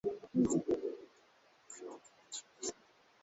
Ukipenda ku menya myoko ku mashamba wende na kisu